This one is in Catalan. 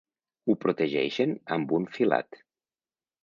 Ho protegeixen amb un filat.